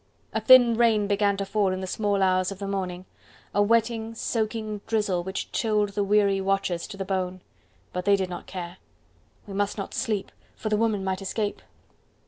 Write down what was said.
A thin rain began to fall in the small hours of the morning, a wetting, soaking drizzle which chilled the weary watchers to the bone. But they did not care. "We must not sleep, for the woman might escape."